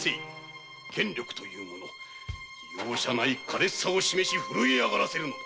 権力というものの容赦ない苛烈さを示し震えあがらせるのだ！